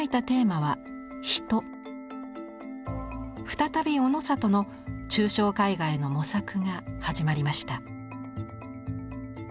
再びオノサトの抽象絵画への模索が始まりました。